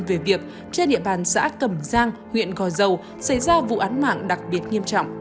về việc trên địa bàn xã cẩm giang huyện gò dầu xảy ra vụ án mạng đặc biệt nghiêm trọng